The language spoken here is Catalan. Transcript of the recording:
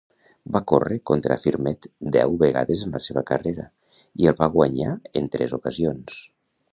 Va córrer contra Affirmed deu vegades en la seva carrera, i el va guanyar en tres ocasions.